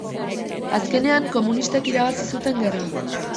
Azkenean komunistek irabazi zuten gerra.